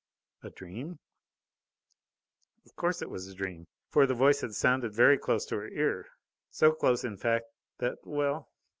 A dream? Of course it was a dream, for the voice had sounded very close to her ear; so close, in fact, that ... well!